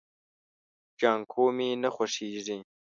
جانکو مې نه خوښيږي.